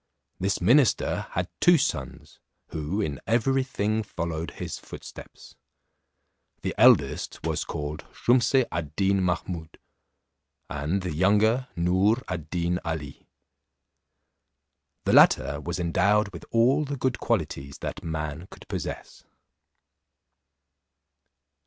This minister had two sons, who in every thing followed his footsteps. The eldest was called Shumse ad Deen Mahummud, and the younger Noor ad Deen Ali. The latter was endowed with all the good qualities that man could possess.